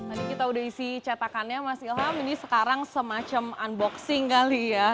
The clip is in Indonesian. tadi kita udah isi cetakannya mas ilham ini sekarang semacam unboxing kali ya